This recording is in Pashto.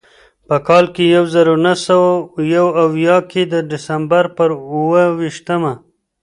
په کال یو زر نهه سوه یو اویا کې د ډسمبر پر اوه ویشتمه.